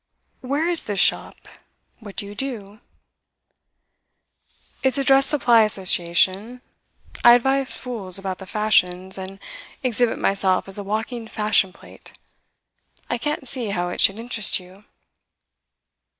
'Where is this shop? What do you do?' 'It's a dress supply association. I advise fools about the fashions, and exhibit myself as a walking fashion plate. I can't see how it should interest you.